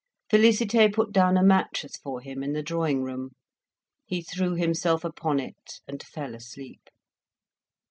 Félicité put down a mattress for him in the drawing room. He threw himself upon it and fell asleep.